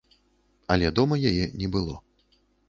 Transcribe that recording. Але дома яе не было.